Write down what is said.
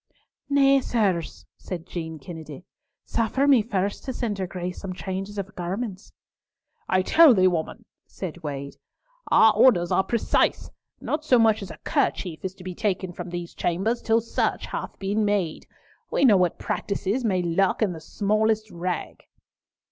"Nay, sirs," said Jean Kennedy. "Suffer me first to send her Grace some changes of garments." "I tell thee, woman," said Wade, "our orders are precise! Not so much as a kerchief is to be taken from these chambers till search hath been made. We know what practices may lurk in the smallest rag."